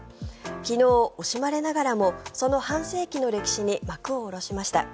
昨日、惜しまれながらもその半世紀の歴史に幕を下ろしました。